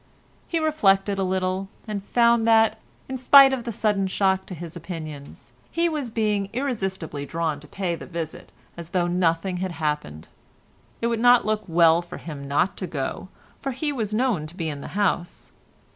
He reflected a little, and found that, in spite of the sudden shock to his opinions, he was being irresistibly drawn to pay the visit as though nothing had happened. It would not look well for him not to go, for he was known to be in the house.